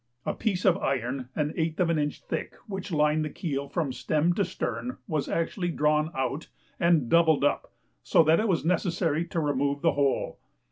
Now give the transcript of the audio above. A piece of iron an eighth of an inch thick, which lined the keel from stem to stern, was actually drawn out and doubled up, so that it was necessary to remove the whole.